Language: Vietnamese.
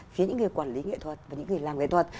phía những người quản lý nghệ thuật và những người làm nghệ thuật